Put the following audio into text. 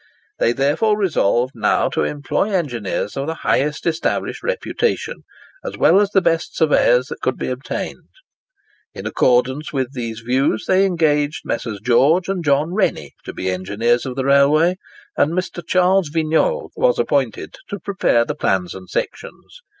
They therefore resolved now to employ engineers of the highest established reputation, as well as the best surveyors that could be obtained. In accordance with these views they engaged Messrs. George and John Rennie to be the engineers of the railway; and Mr. Charles Vignolles was appointed to prepare the plans and sections.